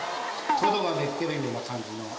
トドが寝てるような感じの。